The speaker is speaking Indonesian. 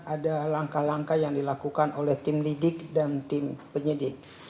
ada langkah langkah yang dilakukan oleh tim lidik dan tim penyidik